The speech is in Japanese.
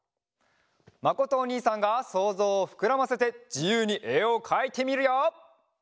まことおにいさんがそうぞうをふくらませてじゆうにえをかいてみるよ！